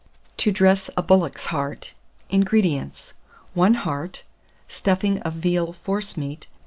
TO DRESS A BULLOCK'S HEART. 615. INGREDIENTS. 1 heart, stuffing of veal forcemeat, No.